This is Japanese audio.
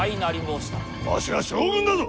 わしは将軍だぞ！